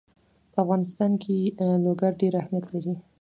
په افغانستان کې لوگر ډېر اهمیت لري.